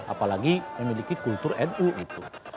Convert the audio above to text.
apalagi memiliki kultur nu gitu